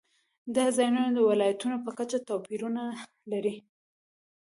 دا ځایونه د ولایاتو په کچه توپیرونه لري.